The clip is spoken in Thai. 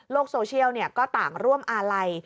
โลกโซเชียลก็ต่างร่วมอะไร